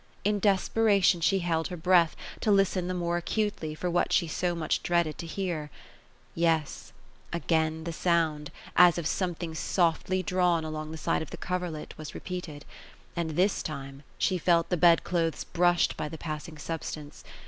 In desperation, she held her breath, to listen the wore acutely, for what she so much dreaded to hear. Yes, — again the sound, as of something softly drawn along the side of the coverlet, was repeated ; and this time she felt the bed clothes brushed by the passing substance.